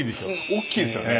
大きいですよね。